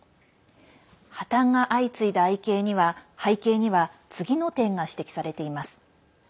破綻が相次いだ背景には次の点が指摘されています。